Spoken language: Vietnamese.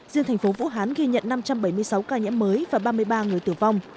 riêng thành phố vũ hán ghi nhận năm trăm bảy mươi sáu ca nhiễm mới và ba mươi ba người tử vong